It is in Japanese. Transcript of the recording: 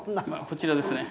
こちらですね。